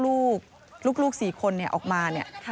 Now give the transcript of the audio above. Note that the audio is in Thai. ลูก๔คนออกมา